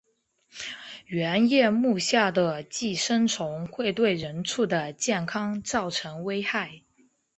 圆叶目下的寄生虫会对人畜的健康造成危害。